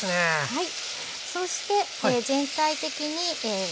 はい。